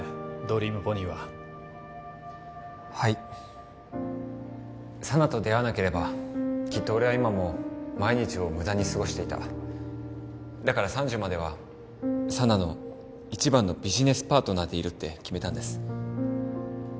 ドリームポニーははい佐奈と出会わなければきっと俺は今も毎日をムダにすごしていただから３０までは佐奈の一番のビジネスパートナーでいるって決めたんです